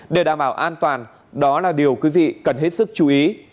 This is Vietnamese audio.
để đảm bảo an toàn đó là điều quý vị cần hết sức chú ý